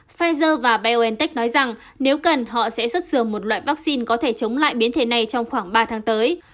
pfizer và biontech nói rằng nếu cần họ sẽ xuất dường một loại vaccine có thể chống lại biến thể này trong khoảng ba tháng tới